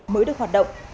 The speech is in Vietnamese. mới được hoạt động